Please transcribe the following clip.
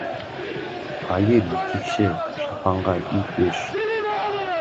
Айыр етекті шапанға ит өш.